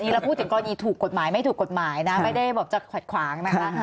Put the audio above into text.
เราพูดถึงกรณีถูกกฎหมายไม่ถูกกฎหมายนะไม่ได้แบบจะขัดขวางนะคะ